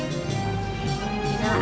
iya denny sama sama ya